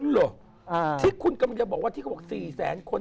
เหรอที่คุณกำลังจะบอกว่าที่เขาบอก๔แสนคน